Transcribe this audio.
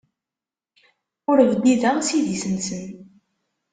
Ur bdideɣ s idis-nsen.